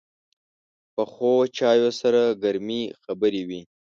پخو چایو سره ګرمې خبرې وي